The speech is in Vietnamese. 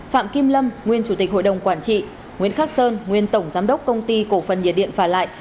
phạm kim lâm nguyên chủ tịch hội đồng quản trị nguyễn khắc sơn nguyên tổng giám đốc công ty cổ phần nhiệt điện phà lại